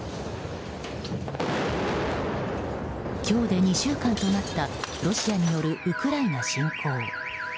今日で２週間となったロシアによるウクライナ侵攻。